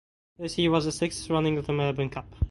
This year was the sixth running of the Melbourne Cup.